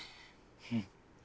うん。